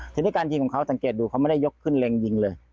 ทีนี้การยิงของเขาสังเกตดูเขาไม่ได้ยกขึ้นเล็งยิงเลย